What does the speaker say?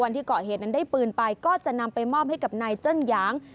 ที่เกาะเหตุนั้นได้ปืนไปก็จะนำไปมอบให้กับนายเจิ้นหยาง